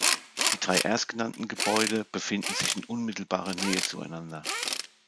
Die drei erstgenannten Gebäude befinden sich in unmittelbarer Nähe zueinander.